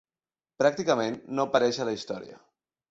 Pràcticament no apareix a la història.